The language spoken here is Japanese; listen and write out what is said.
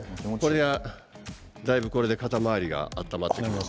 だいぶこれで肩回りが温まってきます。